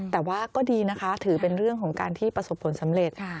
แต่ว่าก็ดีนะคะถือเป็นเรื่องของการที่ประสบผลสำเร็จ